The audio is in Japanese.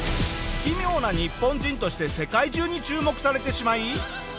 奇妙な日本人として世界中に注目されてしまい。